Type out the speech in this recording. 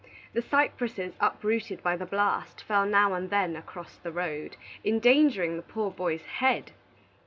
The cypresses uprooted by the blast fell now and then across the road, endangering the poor boy's head.